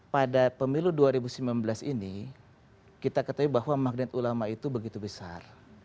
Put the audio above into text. pada pemilu dua ribu sembilan belas ini kita ketahui bahwa magnet ulama itu begitu besar